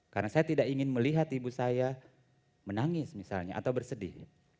karena saya tidak ingin melihat ibu saya menangis misalnya atau bersedih